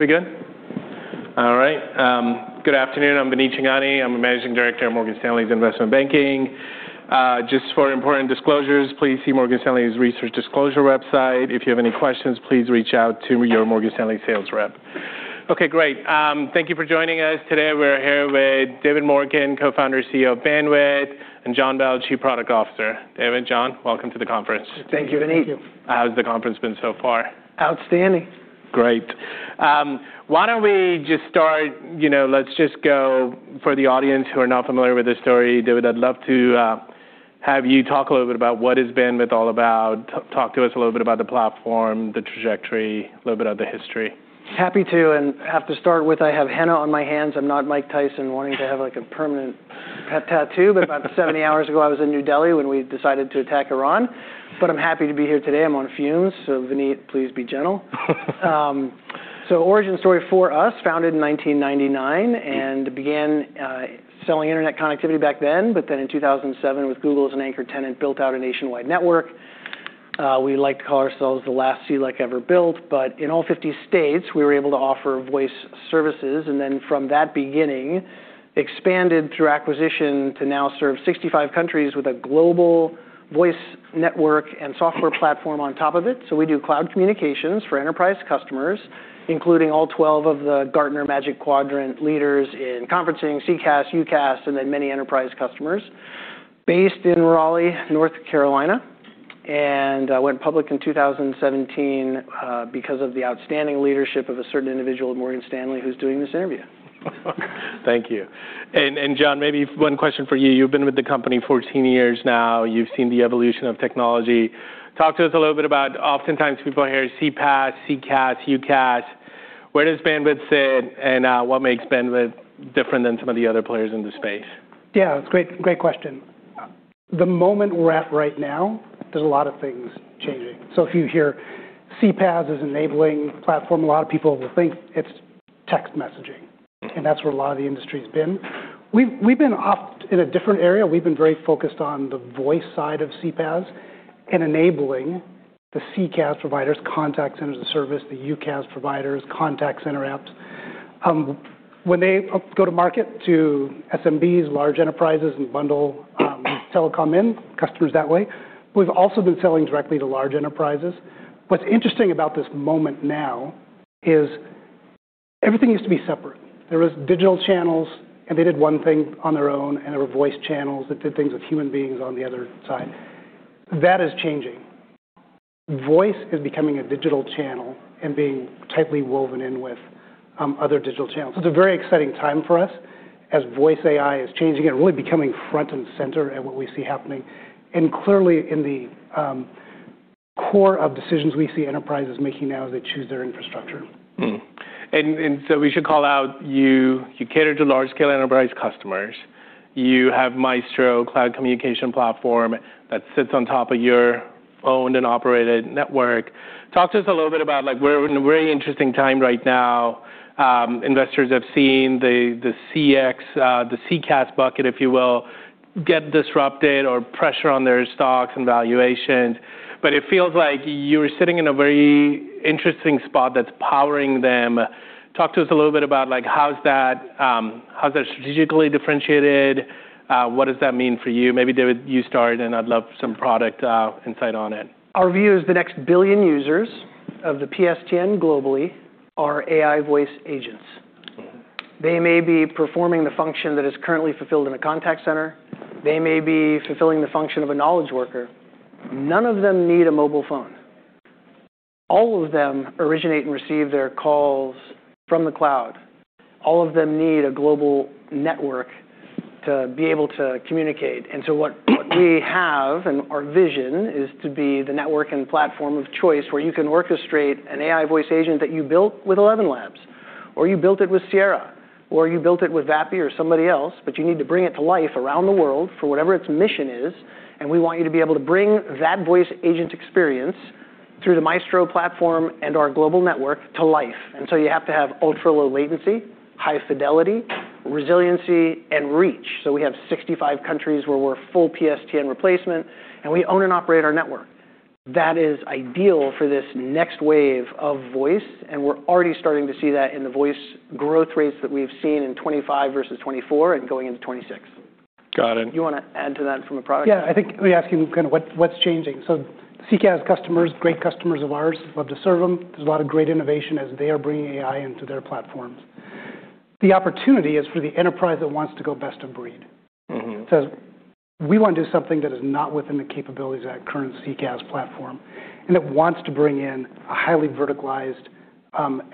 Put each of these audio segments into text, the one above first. We good? All right. Good afternoon. I'm Vineet Chhangani. I'm a Managing Director of Morgan Stanley's investment banking. Just for important disclosures, please see Morgan Stanley's research disclosure website. If you have any questions, please reach out to your Morgan Stanley sales rep. Okay, great. Thank you for joining us today. We're here with David Morken, Co-Founder CEO of Bandwidth, and John Bell, Chief Product Officer. David, John, welcome to the conference. Thank you, Vineet. Thank you. How's the conference been so far? Outstanding. Great. why don't we just start, you know, let's just go for the audience who are not familiar with this story. David, I'd love to, have you talk a little bit about what is Bandwidth all about. Talk to us a little bit about the platform, the trajectory, a little bit of the history. Happy to, and have to start with I have henna on my hands. I'm not Mike Tyson wanting to have, like, a permanent tattoo. About 70 hours ago, I was in New Delhi when we decided to attack Iran, but I'm happy to be here today. I'm on fumes, Vineet, please be gentle. Origin story for us, founded in 1999 and began selling internet connectivity back then, but then in 2007, with Google as an anchor tenant, built out a nationwide network. We like to call ourselves the last CLEC ever built, but in all 50 states we were able to offer voice services, and then from that beginning, expanded through acquisition to now serve 65 countries with a global voice network and software platform on top of it. We do cloud communications for enterprise customers, including all 12 of the Gartner Magic Quadrant leaders in conferencing, CCaaS, UCaaS, and then many enterprise customers. Based in Raleigh, North Carolina, and went public in 2017 because of the outstanding leadership of a certain individual at Morgan Stanley who's doing this interview. Thank you. John, maybe one question for you. You've been with the company 14 years now. You've seen the evolution of technology. Talk to us a little bit about oftentimes people hear CPaaS, CCaaS, UCaaS. Where does Bandwidth sit, and what makes Bandwidth different than some of the other players in the space? Yeah, it's great question. The moment we're at right now, there's a lot of things changing. If you hear CPaaS is enabling platform, a lot of people will think it's text messaging, and that's where a lot of the industry's been. We've been off in a different area. We've been very focused on the voice side of CPaaS and enabling the CCaaS providers, contact centers, the service, the UCaaS providers, contact center apps, when they go to market to SMBs, large enterprises and bundle telecom in, customers that way. We've also been selling directly to large enterprises. What's interesting about this moment now is everything used to be separate. There was digital channels, and they did one thing on their own, and there were voice channels that did things with human beings on the other side. That is changing. Voice is becoming a digital channel and being tightly woven in with other digital channels. It's a very exciting time for us as voice AI is changing and really becoming front and center in what we see happening, and clearly in the core of decisions we see enterprises making now as they choose their infrastructure. Mm-hmm. We should call out you cater to large scale enterprise customers. You have Maestro cloud communication platform that sits on top of your owned and operated network. Talk to us a little bit about, like, we're in a very interesting time right now. Investors have seen the CX, the CCaaS bucket, if you will, get disrupted or pressure on their stocks and valuations, but it feels like you're sitting in a very interesting spot that's powering them. Talk to us a little bit about, like, how's that strategically differentiated? What does that mean for you? Maybe, David, you start, and I'd love some product insight on it. Our view is the next 1 billion users of the PSTN globally are AI voice agents. Mm-hmm. They may be performing the function that is currently fulfilled in a contact center. They may be fulfilling the function of a knowledge worker. None of them need a mobile phone. All of them originate and receive their calls from the cloud. All of them need a global network to be able to communicate. What we have and our vision is to be the network and platform of choice where you can orchestrate an AI voice agent that you built with ElevenLabs, or you built it with Sierra, or you built it with Vapi or somebody else, but you need to bring it to life around the world for whatever its mission is, and we want you to be able to bring that voice agent experience through the Maestro platform and our global network to life. You have to have ultra-low latency, high fidelity, resiliency and reach. We have 65 countries where we're full PSTN replacement, and we own and operate our network. That is ideal for this next wave of voice, and we're already starting to see that in the voice growth rates that we've seen in 2025 versus 2024 and going into 2026. Got it. You wanna add to that from a product-. Yeah, I think we're asking kind of what's changing. CCaaS customers, great customers of ours, love to serve them. There's a lot of great innovation as they are bringing AI into their platforms. The opportunity is for the enterprise that wants to go best of breed. Mm-hmm. It says, we wanna do something that is not within the capabilities of that current CCaaS platform, and it wants to bring in a highly verticalized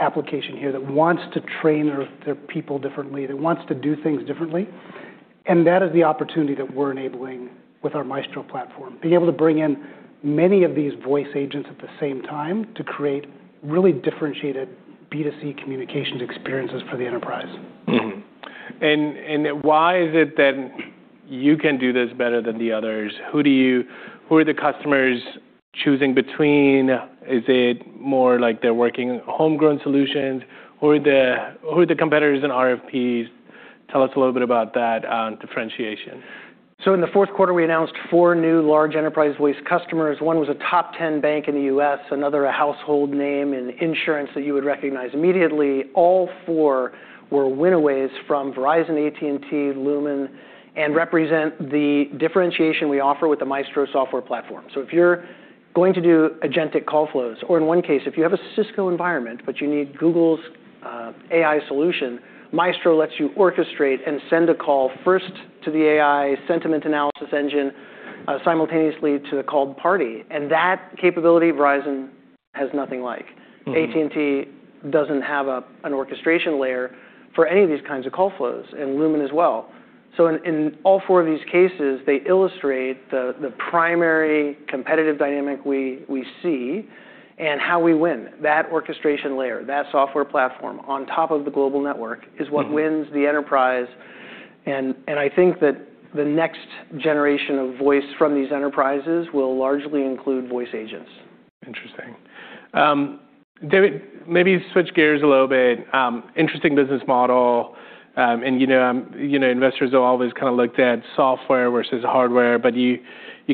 application here that wants to train their people differently, that wants to do things differently, and that is the opportunity that we're enabling with our Maestro platform, being able to bring in many of these voice agents at the same time to create really differentiated B2C communications experiences for the enterprise. Why is it that you can do this better than the others? Who are the customers choosing between? Is it more like they're working homegrown solutions? Who are the competitors in RFPs? Tell us a little bit about that differentiation. In the fourth quarter, we announced four new large enterprise voice customers. One was a top 10 bank in the U.S., another a household name in insurance that you would recognize immediately. All four were winaways from Verizon, AT&T, Lumen, and represent the differentiation we offer with the Maestro software platform. If you're going to do agentic call flows, or in one case, if you have a Cisco environment, but you need Google's AI solution, Maestro lets you orchestrate and send a call first to the AI sentiment analysis engine simultaneously to the called party. That capability, Verizon has nothing like. Mm-hmm. AT&T doesn't have an orchestration layer for any of these kinds of call flows, and Lumen as well. In all four of these cases, they illustrate the primary competitive dynamic we see and how we win. That orchestration layer, that software platform on top of the global network. Mm-hmm... is what wins the enterprise and I think that the next generation of voice from these enterprises will largely include voice agents. Interesting. David, maybe switch gears a little bit. Interesting business model. You know, you know, investors have always kinda looked at software versus hardware, but you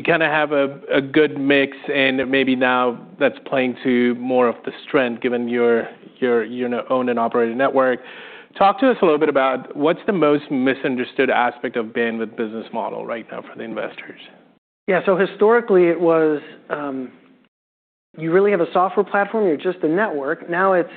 kinda have a good mix and maybe now that's playing to more of the strength given your, you know, owned and operated network. Talk to us a little bit about what's the most misunderstood aspect of Bandwidth business model right now for the investors? Yeah. Historically it was, you really have a software platform, you're just the network. It's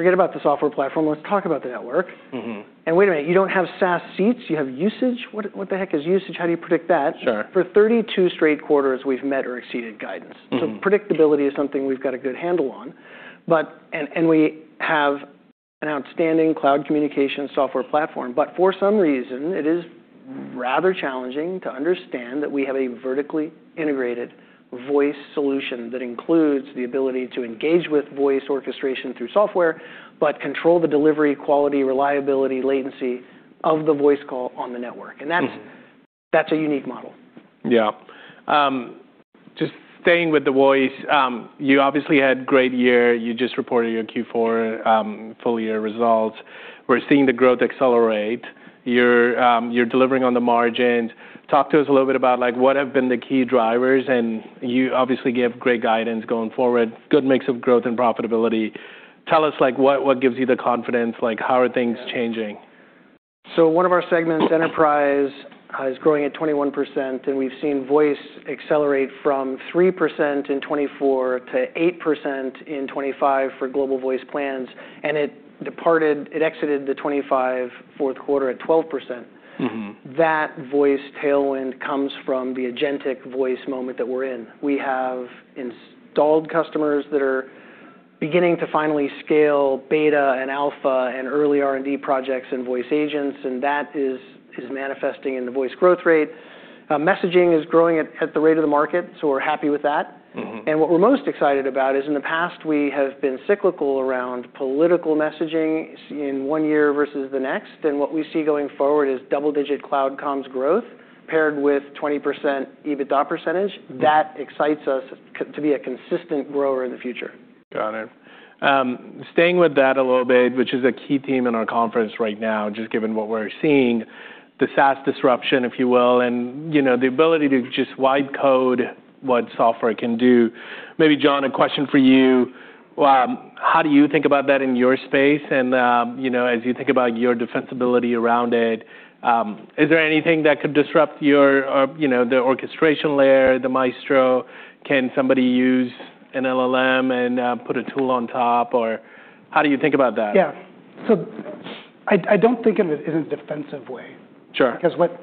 forget about the software platform, let's talk about the network. Mm-hmm. Wait a minute, you don't have SaaS seats, you have usage. What, what the heck is usage? How do you predict that? Sure. For 32 straight quarters we've met or exceeded guidance. Mm-hmm. Predictability is something we've got a good handle on. We have an outstanding cloud communication software platform. For some reason, it is rather challenging to understand that we have a vertically integrated voice solution that includes the ability to engage with voice orchestration through software, but control the delivery, quality, reliability, latency of the voice call on the network. Mm-hmm. That's a unique model. Yeah. Just staying with the voice, you obviously had great year. You just reported your Q4 full year results. We're seeing the growth accelerate. You're delivering on the margins. Talk to us a little bit about like what have been the key drivers, and you obviously gave great guidance going forward, good mix of growth and profitability. Tell us like what gives you the confidence, like how are things changing? One of our segments, Enterprise, is growing at 21%, and we've seen voice accelerate from 3% in 2024 to 8% in 2025 for global voice plans, and it exited the 2025 fourth quarter at 12%. Mm-hmm. That voice tailwind comes from the agentic voice moment that we're in. We have installed customers that are beginning to finally scale beta and alpha and early R&D projects in voice agents, and that is manifesting in the voice growth rate. Messaging is growing at the rate of the market. We're happy with that. Mm-hmm. What we're most excited about is in the past we have been cyclical around political messaging in one year versus the next, and what we see going forward is double-digit cloud comms growth paired with 20% EBITDA %. Mm-hmm. That excites us to be a consistent grower in the future. Got it. Staying with that a little bit, which is a key theme in our conference right now, just given what we're seeing, the SaaS disruption, if you will, and, you know, the ability to just wide code what software can do. Maybe, John, a question for you. How do you think about that in your space? You know, as you think about your defensibility around it, is there anything that could disrupt your, you know, the orchestration layer, the Maestro? Can somebody use an LLM and put a tool on top? Or how do you think about that? Yeah. I don't think of it in a defensive way. Sure.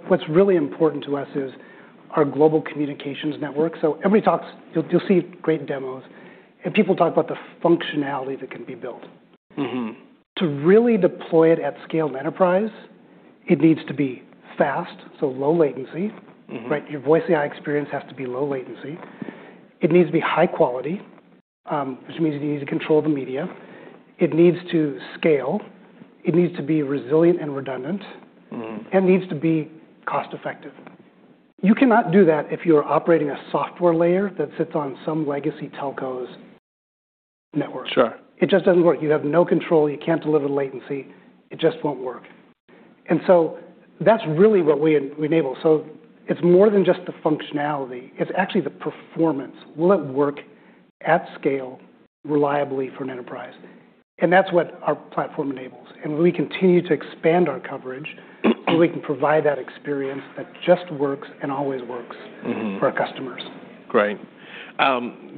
What's really important to us is our global communications network. Everybody talks. You'll see great demos, and people talk about the functionality that can be built. Mm-hmm. To really deploy it at scale in enterprise, it needs to be fast, so low latency. Mm-hmm. Right? Your voice AI experience has to be low latency. It needs to be high quality, which means you need to control the media. It needs to scale, it needs to be resilient and redundant. Mm-hmm. It needs to be cost-effective. You cannot do that if you're operating a software layer that sits on some legacy telco's network. Sure. It just doesn't work. You have no control, you can't deliver the latency. It just won't work. That's really what we enable. It's more than just the functionality, it's actually the performance. Will it work at scale reliably for an enterprise? That's what our platform enables. We continue to expand our coverage, so we can provide that experience that just works and always works. Mm-hmm... for our customers. Great.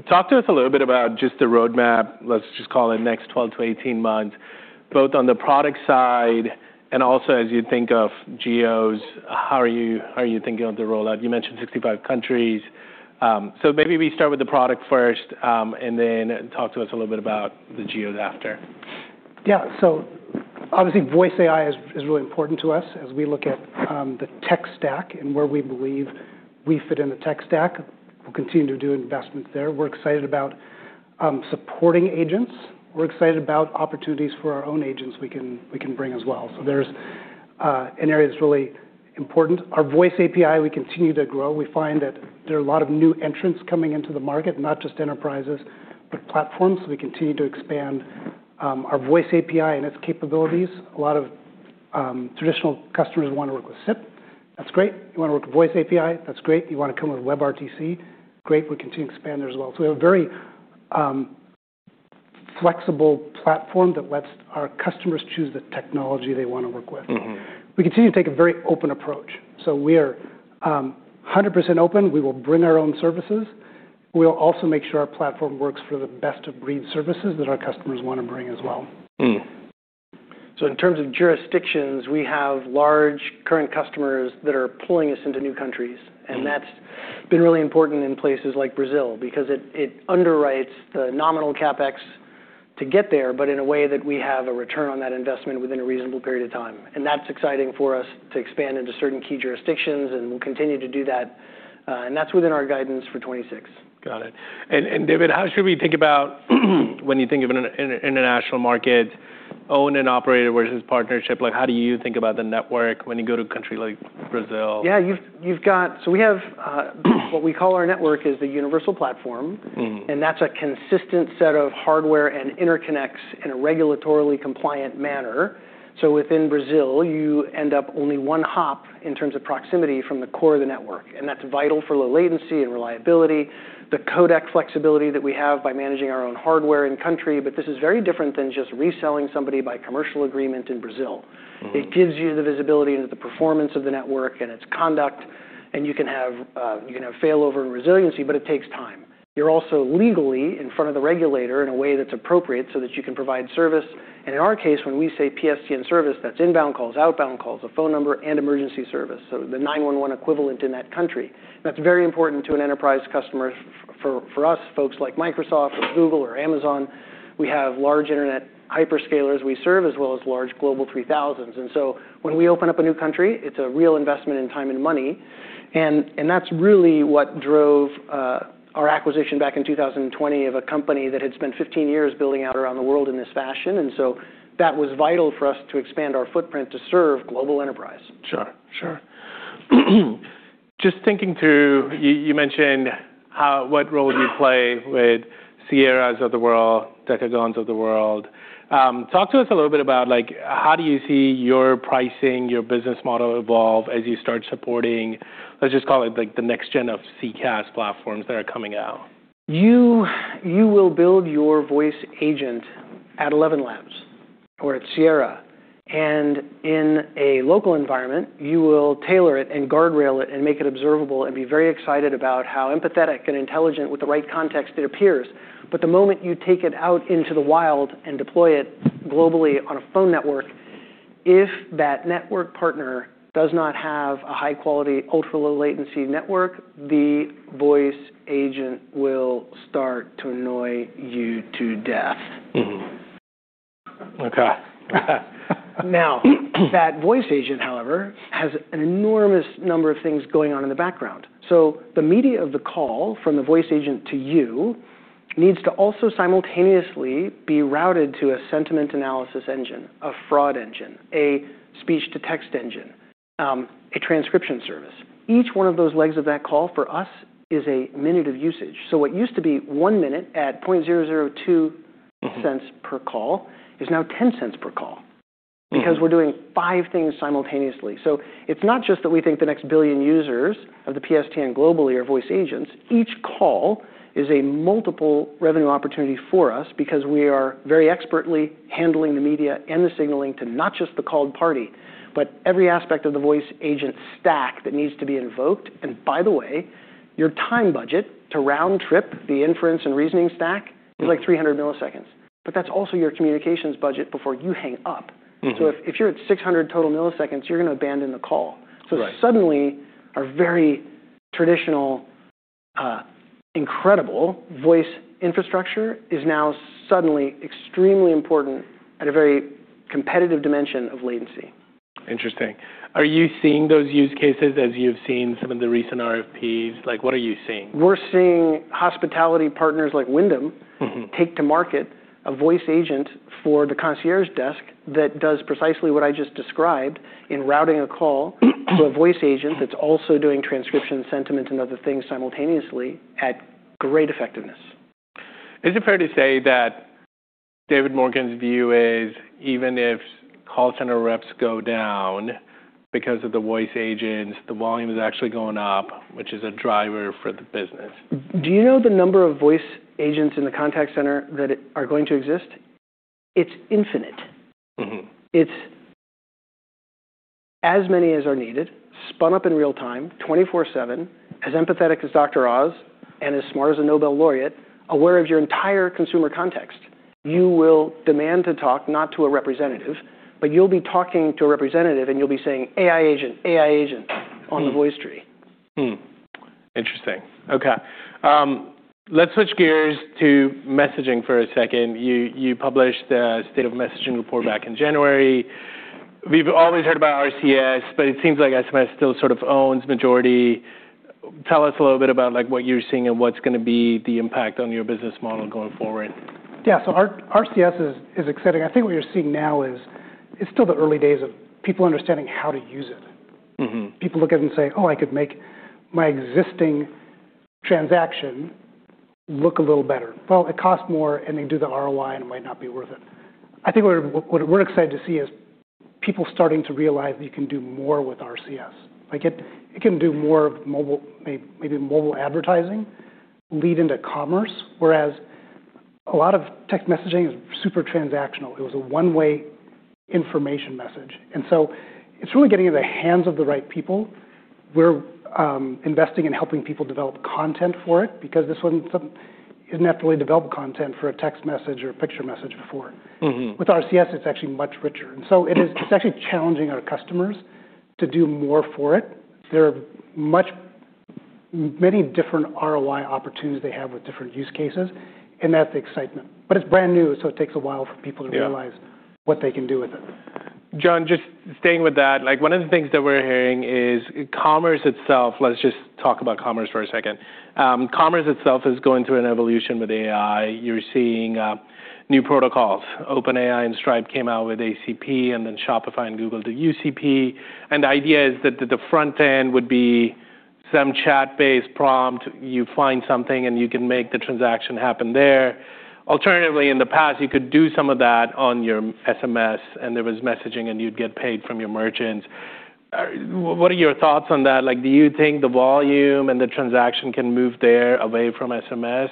Talk to us a little bit about just the roadmap, let's just call it next 12 to 18 months, both on the product side and also as you think of geos, how are you thinking of the rollout? You mentioned 65 countries. Maybe we start with the product first, then talk to us a little bit about the geos after. Yeah. Obviously voice AI is really important to us as we look at the tech stack and where we believe we fit in the tech stack. We'll continue to do investments there. We're excited about supporting agents. We're excited about opportunities for our own agents we can bring as well. There's an area that's really important. Our Voice API, we continue to grow. We find that there are a lot of new entrants coming into the market, not just enterprises, but platforms. We continue to expand our Voice API and its capabilities. A lot of traditional customers want to work with SIP. That's great. You wanna work with Voice API, that's great. You wanna come with WebRTC, great. We continue to expand there as well. We have a very flexible platform that lets our customers choose the technology they wanna work with. Mm-hmm. We continue to take a very open approach. We are 100% open. We will bring our own services. We'll also make sure our platform works for the best of breed services that our customers wanna bring as well. Mm. In terms of jurisdictions, we have large current customers that are pulling us into new countries. Mm. That's been really important in places like Brazil because it underwrites the nominal CapEx to get there, but in a way that we have a return on that investment within a reasonable period of time. That's exciting for us to expand into certain key jurisdictions, and we'll continue to do that. That's within our guidance for 2026. Got it. David, how should we think about when you think of an international market owned and operated versus partnership? Like, how do you think about the network when you go to a country like Brazil or... Yeah. We have what we call our network is the universal platform. Mm. That's a consistent set of hardware and interconnects in a regulatorily compliant manner. Within Brazil, you end up only one hop in terms of proximity from the core of the network, and that's vital for low latency and reliability, the codec flexibility that we have by managing our own hardware in country. This is very different than just reselling somebody by commercial agreement in Brazil. Mm-hmm. It gives you the visibility into the performance of the network and its conduct, and you can have, you can have failover and resiliency, but it takes time. You're also legally in front of the regulator in a way that's appropriate so that you can provide service. In our case, when we say PSTN service, that's inbound calls, outbound calls, a phone number, and emergency service. The 911 equivalent in that country. That's very important to an enterprise customer for us, folks like Microsoft or Google or Amazon. We have large internet hyperscalers we serve as well as large global 3,000s. When we open up a new country, it's a real investment in time and money, and that's really what drove our acquisition back in 2020 of a company that had spent 15 years building out around the world in this fashion. That was vital for us to expand our footprint to serve global enterprise. Sure. Sure. Just thinking through, you mentioned how, what role do you play with Sierra of the world, Decagon of the world. Talk to us a little bit about, like, how do you see your pricing, your business model evolve as you start supporting, let's just call it like the next gen of CCaaS platforms that are coming out? You will build your voice agent at ElevenLabs or at Sierra. In a local environment, you will tailor it and guardrail it and make it observable and be very excited about how empathetic and intelligent with the right context it appears. The moment you take it out into the wild and deploy it globally on a phone network, if that network partner does not have a high quality, ultra low latency network, the voice agent will start to annoy you to death. Okay. That voice agent, however, has an enormous number of things going on in the background. The media of the call from the voice agent to you needs to also simultaneously be routed to a sentiment analysis engine, a fraud engine, a speech-to-text engine, a transcription service. Each one of those legs of that call for us is one minute of usage. What used to be one minute at $0.002 per call is now $0.10 per call. Mm... because we're doing five things simultaneously. It's not just that we think the next billion users of the PSTN globally are voice agents. Each call is a multiple revenue opportunity for us because we are very expertly handling the media and the signaling to not just the called party, but every aspect of the voice agent stack that needs to be invoked. By the way, your time budget to round trip the inference and reasoning stack is like 300 milliseconds. That's also your communications budget before you hang up. Mm-hmm. if you're at 600 total milliseconds, you're gonna abandon the call. Right. Suddenly our very traditional, incredible voice infrastructure is now suddenly extremely important at a very competitive dimension of latency. Interesting. Are you seeing those use cases as you've seen some of the recent RFPs? Like, what are you seeing? We're seeing hospitality partners like Wyndham. Mm-hmm take to market a voice agent for the concierge desk that does precisely what I just described in routing a call to a voice agent that's also doing transcription, sentiment, and other things simultaneously at great effectiveness. Is it fair to say that David Morken's view is even if call center reps go down because of the voice agents, the volume is actually going up, which is a driver for the business? Do you know the number of voice agents in the contact center that are going to exist? It's infinite. Mm-hmm. It's as many as are needed, spun up in real time, 24/7, as empathetic as Dr. Oz and as smart as a Nobel laureate, aware of your entire consumer context. You will demand to talk not to a representative, but you'll be talking to a representative, and you'll be saying, "AI agent, AI agent," on the voice tree. Interesting. Okay. Let's switch gears to messaging for a second. You published the State of Messaging Report back in January. We've always heard about RCS, but it seems like SMS still sort of owns majority. Tell us a little bit about, like, what you're seeing and what's gonna be the impact on your business model going forward. Yeah. RCS is exciting. I think what you're seeing now is it's still the early days of people understanding how to use it. Mm-hmm. People look at it and say, "Oh, I could make my existing... Transaction look a little better. Well, it costs more, and they do the ROI, and it might not be worth it. I think what we're excited to see is people starting to realize that you can do more with RCS. Like, it can do more mobile, maybe mobile advertising lead into commerce, whereas a lot of text messaging is super transactional. It was a one-way information message. It's really getting in the hands of the right people. We're investing in helping people develop content for it because you didn't have to really develop content for a text message or a picture message before. Mm-hmm. With RCS, it's actually much richer. It's actually challenging our customers to do more for it. There are many different ROI opportunities they have with different use cases, and that's the excitement. It's brand new, so it takes a while for people- Yeah to realize what they can do with it. John, just staying with that, like, one of the things that we're hearing is commerce itself. Let's just talk about commerce for a second. Commerce itself is going through an evolution with AI. You're seeing new protocols. OpenAI and Stripe came out with ACP, and then Shopify and Google do UCP. The idea is that the front end would be some chat-based prompt. You find something, and you can make the transaction happen there. Alternatively, in the past, you could do some of that on your SMS, and there was messaging, and you'd get paid from your merchants. What are your thoughts on that? Like, do you think the volume and the transaction can move there away from SMS?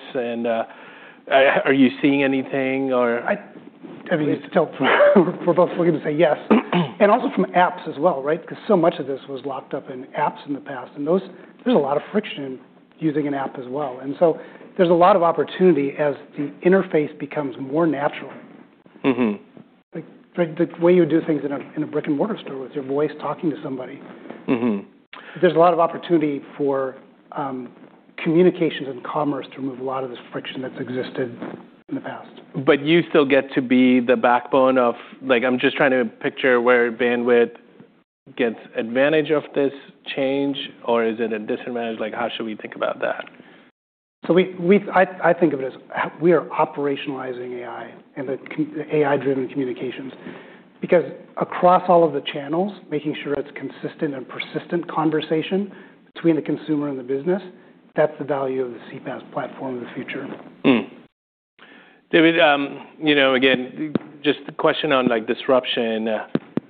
Are you seeing anything or- I mean, it's still we're both going to say yes. Also from apps as well, right? Because so much of this was locked up in apps in the past, and there's a lot of friction using an app as well. So there's a lot of opportunity as the interface becomes more natural. Mm-hmm. Like the way you do things in a brick-and-mortar store with your voice talking to somebody. Mm-hmm. There's a lot of opportunity for communications and commerce to remove a lot of this friction that's existed in the past. You still get to be the backbone of. Like, I'm just trying to picture where Bandwidth gets advantage of this change, or is it a disadvantage? Like, how should we think about that? I think of it as we are operationalizing AI and AI-driven communications. Across all of the channels, making sure it's consistent and persistent conversation between the consumer and the business, that's the value of the CPaaS platform of the future. David, you know, again, just a question on, like, disruption,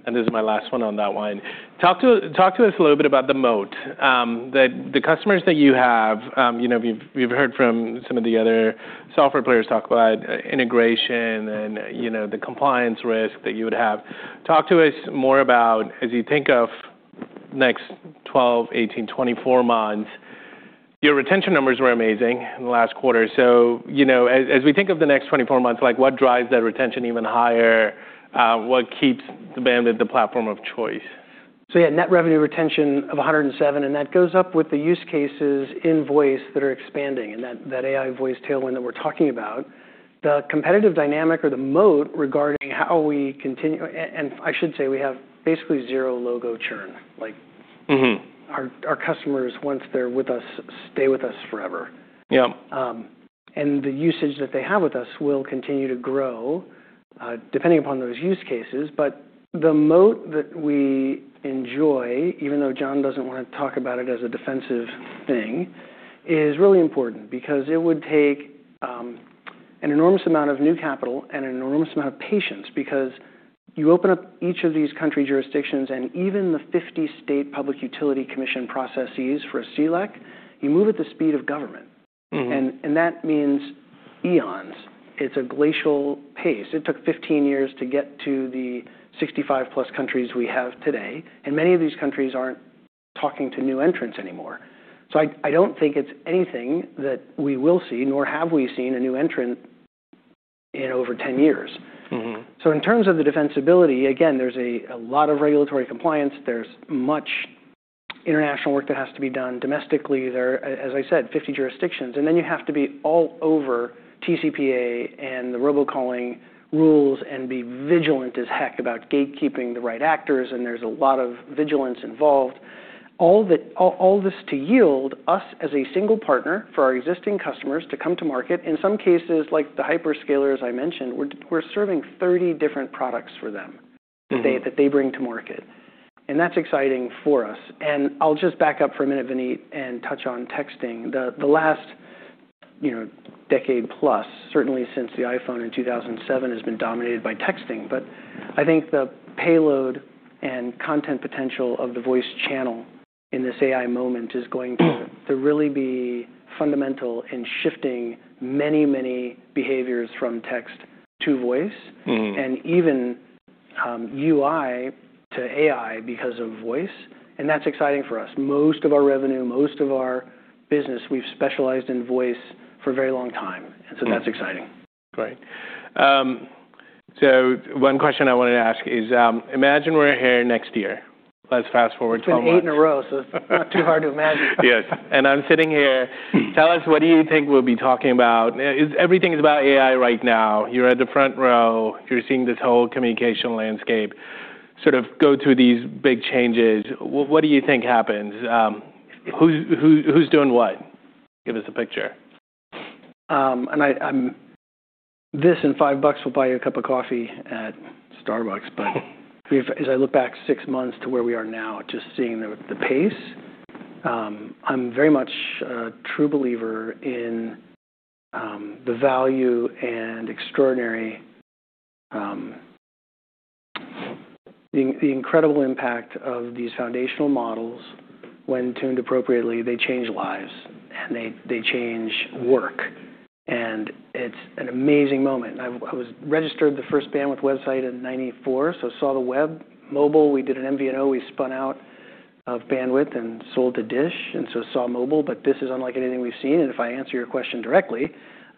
and this is my last one on that one. Talk to us a little bit about the moat. The customers that you have, you know, we've heard from some of the other software players talk about integration and, you know, the compliance risk that you would have. Talk to us more about as you think of next 12, 18, 24 months, your retention numbers were amazing in the last quarter. You know, as we think of the next 24 months, like, what drives that retention even higher? What keeps Bandwidth the platform of choice? yeah, Net Revenue Retention of 107%, and that goes up with the use cases in voice that are expanding and that AI voice tailwind that we're talking about. The competitive dynamic or the moat regarding how we continue. I should say we have basically zero logo churn. Mm-hmm... our customers, once they're with us, stay with us forever. Yep. The usage that they have with us will continue to grow, depending upon those use cases. The moat that we enjoy, even though John doesn't wanna talk about it as a defensive thing, is really important because it would take an enormous amount of new capital and an enormous amount of patience because you open up each of these country jurisdictions and even the 50-state Public Utility Commission processes for a CLEC, you move at the speed of government. Mm-hmm. That means eons. It's a glacial pace. It took 15 years to get to the 65-plus countries we have today. Many of these countries aren't talking to new entrants anymore. I don't think it's anything that we will see, nor have we seen a new entrant in over 10 years. Mm-hmm. In terms of the defensibility, again, there's a lot of regulatory compliance. There's much international work that has to be done domestically. There are, as I said, 50 jurisdictions. You have to be all over TCPA and the robocalling rules and be vigilant as heck about gatekeeping the right actors, and there's a lot of vigilance involved. All this to yield us as a single partner for our existing customers to come to market. In some cases, like the hyperscalers I mentioned, we're serving 30 different products for them. Mm-hmm... today that they bring to market. That's exciting for us. I'll just back up for a minute, Vineet, and touch on texting. The last, you know, decade plus, certainly since the iPhone in 2007, has been dominated by texting. I think the payload and content potential of the voice channel in this AI moment is going to really be fundamental in shifting many, many behaviors from text to voice- Mm-hmm... and even, UI to AI because of voice, and that's exciting for us. Most of our revenue, most of our business, we've specialized in voice for a very long time. That's exciting. Great. One question I wanted to ask is, imagine we're here next year. Let's fast-forward 12 months. It's been a year in a row, so it's not too hard to imagine. Yes. I'm sitting here. Tell us what do you think we'll be talking about? Everything is about AI right now. You're at the front row. You're seeing this whole communication landscape sort of go through these big changes. What, what do you think happens? Who's doing what? Give us a picture. I'm This and $5 will buy you a cup of coffee at Starbucks. we've As I look back six months to where we are now, just seeing the pace, I'm very much a true believer in the value and extraordinary the incredible impact of these foundational models. When tuned appropriately, they change lives and they change work. It's an amazing moment. I was registered the first Bandwidth website in 1994, so saw the web. Mobile, we did an MVNO we spun out of Bandwidth and sold to DISH, so saw mobile. This is unlike anything we've seen. If I answer your question directly,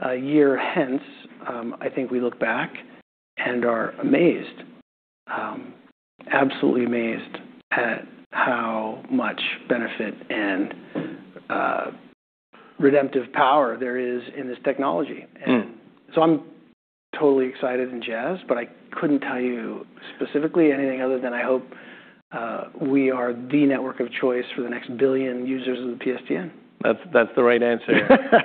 one year hence, I think we look back and are amazed, absolutely amazed at how much benefit and redemptive power there is in this technology. Hmm. I'm totally excited and jazzed, but I couldn't tell you specifically anything other than I hope we are the network of choice for the next 1 billion users of the PSTN. That's the right answer.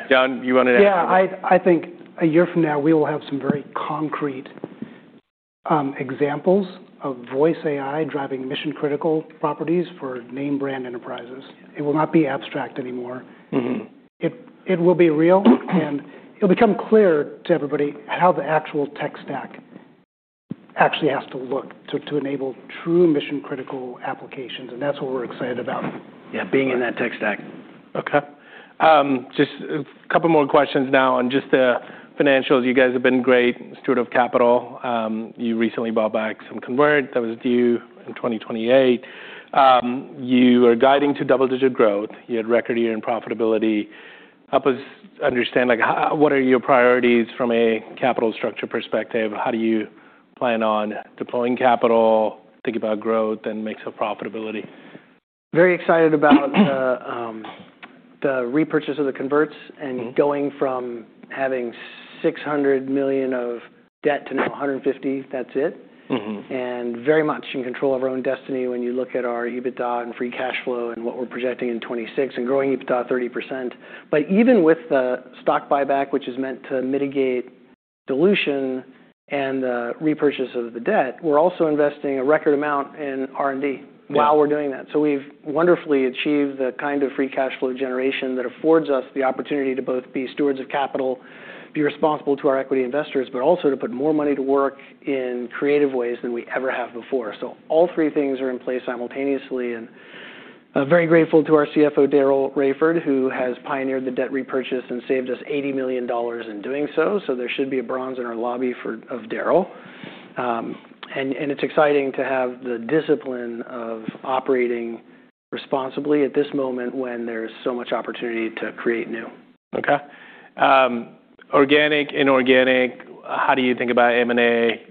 John, you wanna add to that? Yeah. I think a year from now we will have some very concrete examples of voice AI driving mission-critical properties for name brand enterprises. It will not be abstract anymore. Mm-hmm. It will be real, and it'll become clear to everybody how the actual tech stack actually has to look to enable true mission-critical applications, and that's what we're excited about. Yeah, being in that tech stack. Okay. Just a couple more questions now on just the financials. You guys have been great steward of capital. You recently bought back some converts that was due in 2028. You are guiding to double-digit growth. You had record year-end profitability. Help us understand, like, what are your priorities from a capital structure perspective? How do you plan on deploying capital, think about growth, and mix of profitability? Very excited about the repurchase of the converts. Mm-hmm. going from having $600 million of debt to now $150, that's it. Mm-hmm. Very much in control of our own destiny when you look at our EBITDA and free cash flow and what we're projecting in 2026 and growing EBITDA 30%. Even with the stock buyback, which is meant to mitigate dilution and the repurchase of the debt, we're also investing a record amount in R&D. Yeah. -while we're doing that. We've wonderfully achieved the kind of free cash flow generation that affords us the opportunity to both be stewards of capital, be responsible to our equity investors, but also to put more money to work in creative ways than we ever have before. All three things are in play simultaneously, and I'm very grateful to our CFO, Daryl Raiford, who has pioneered the debt repurchase and saved us $80 million in doing so. There should be a bronze in our lobby of Daryl. And it's exciting to have the discipline of operating responsibly at this moment when there's so much opportunity to create new. Okay. Organic, inorganic, how do you think about M&A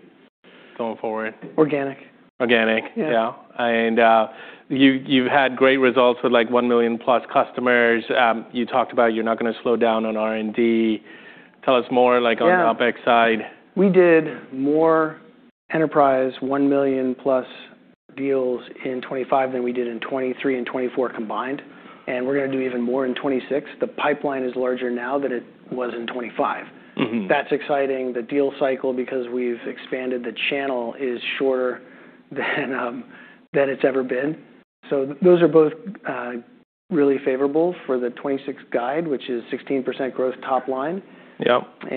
going forward? Organic. Organic? Yeah. Yeah. You've had great results with, like, 1+ million customers. You talked about you're not gonna slow down on R&D. Tell us more, like. Yeah. OpEx side. We did more enterprise $1 million+ deals in 2025 than we did in 2023 and 2024 combined. We're gonna do even more in 2026. The pipeline is larger now than it was in 2025. Mm-hmm. That's exciting. The deal cycle, because we've expanded the channel, is shorter than it's ever been. Those are both really favorable for the 26 guide, which is 16% growth top line. Yep.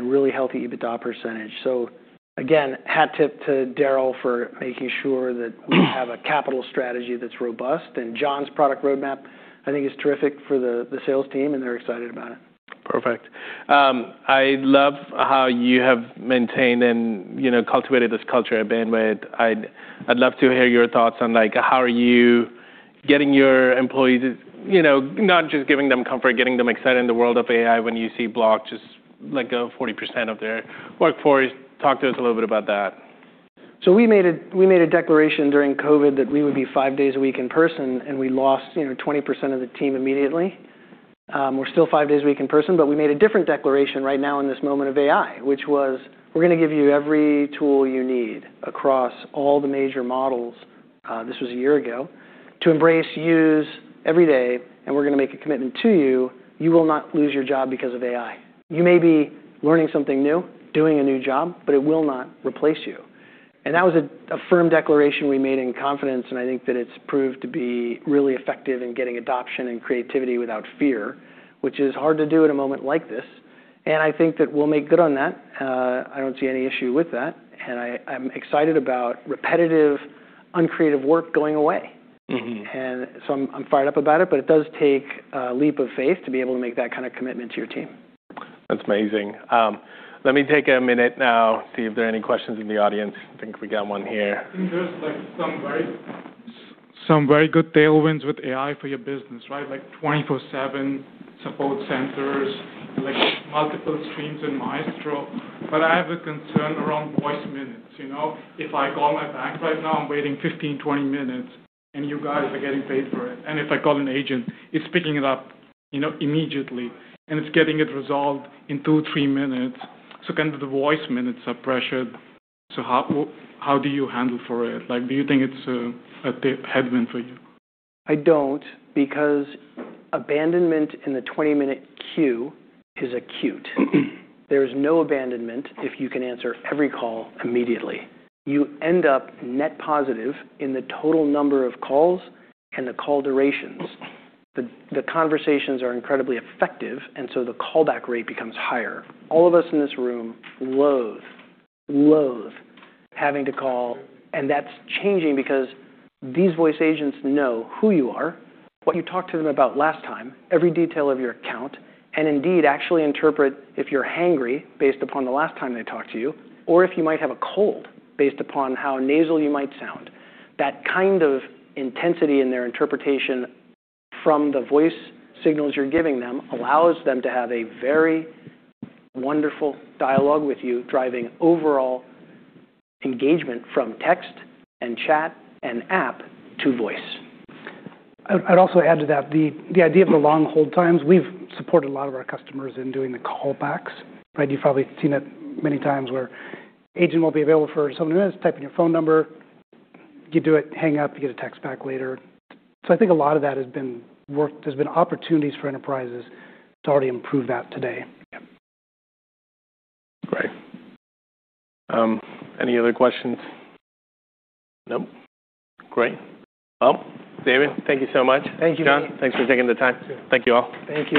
Really healthy EBITDA %. Again, hat tip to Daryl for making sure that we have a capital strategy that's robust. John's product roadmap, I think, is terrific for the sales team, and they're excited about it. Perfect. I love how you have maintained and, you know, cultivated this culture at Bandwidth. I'd love to hear your thoughts on, like, how are you getting your employees, you know, not just giving them comfort, getting them excited in the world of AI when you see Block just let go 40% of their workforce. Talk to us a little bit about that. We made a declaration during COVID that we would be five days a week in person, and we lost, you know, 20% of the team immediately. We're still five days a week in person, but we made a different declaration right now in this moment of AI, which was, "We're gonna give you every tool you need across all the major models," this was a year ago, "to embrace, use every day, and we're gonna make a commitment to you will not lose your job because of AI. You may be learning something new, doing a new job, but it will not replace you." That was a firm declaration we made in confidence, and I think that it's proved to be really effective in getting adoption and creativity without fear, which is hard to do in a moment like this. I think that we'll make good on that. I don't see any issue with that, and I'm excited about repetitive, uncreative work going away. Mm-hmm. I'm fired up about it, but it does take a leap of faith to be able to make that kind of commitment to your team. That's amazing. Let me take one minute now, see if there are any questions in the audience. I think we got one here. I think there's, like, some very good tailwinds with AI for your business, right? Like, 24/7 support centers, like, multiple streams in Maestro. I have a concern around voice minutes. You know, if I call my bank right now, I'm waiting 15, 20 minutes, and you guys are getting paid for it. If I call an agent, it's picking it up, you know, immediately, and it's getting it resolved in two, three minutes. Can the voice minutes are pressured. How do you handle for it? Like, do you think it's a headwind for you? I don't, because abandonment in the 20-minute queue is acute. There's no abandonment if you can answer every call immediately. You end up net positive in the total number of calls and the call durations. The conversations are incredibly effective, and so the callback rate becomes higher. All of us in this room loathe having to call, and that's changing because these voice agents know who you are, what you talked to them about last time, every detail of your account, and indeed actually interpret if you're hangry based upon the last time they talked to you, or if you might have a cold based upon how nasal you might sound. That kind of intensity in their interpretation from the voice signals you're giving them allows them to have a very wonderful dialogue with you, driving overall engagement from text and chat and app to voice. I'd also add to that the idea of the long hold times, we've supported a lot of our customers in doing the callbacks, right? You've probably seen it many times where agent won't be available for some minutes, type in your phone number, you do it, hang up, you get a text back later. I think a lot of that has been worked. There's been opportunities for enterprises to already improve that today. Yeah. Great. Any other questions? Nope. Great. Well, David, thank you so much. Thank you. John, thanks for taking the time. Yeah. Thank you all. Thank you.